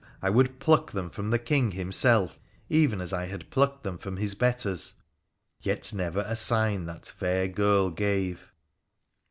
I would pluck them from the King himself, even as I had plucked them from his betters. Yet never a sign that fair girl gave.